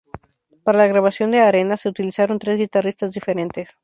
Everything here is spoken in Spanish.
Para la grabación de "Arena" se utilizaron tres guitarristas diferentes.